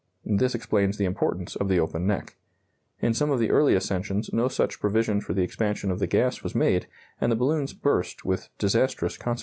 This explains the importance of the open neck. In some of the early ascensions no such provision for the expansion of the gas was made, and the balloons burst with disastrous consequences.